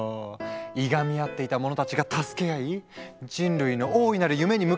いがみ合っていた者たちが助け合い人類の大いなる夢に向かって突き進む！